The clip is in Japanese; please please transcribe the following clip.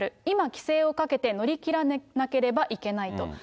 今、規制をかけて乗り切らなければいけないと。